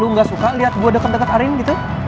lu ga suka liat gue deket dua arief gitu